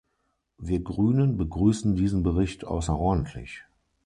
Wir Grünen begrüßen diesen Bericht außerordentlich.